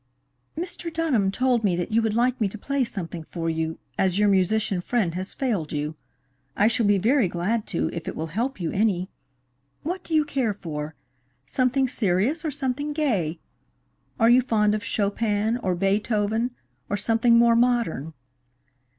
"Mr. Dunham told me that you would like me to play something for you, as your musician friend has failed you. I shall be very glad to, if it will help you any. What do you care for? Something serious or something gay? Are you fond of Chopin, or Beethoven, or something more modern?"